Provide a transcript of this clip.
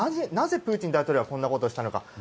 なぜプーチン大統領はこんなことをしたのか。